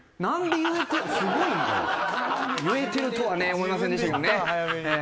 言えてるとはね思いませんでしたけどね。